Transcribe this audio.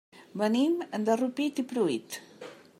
Venim de Rupit i Pruit.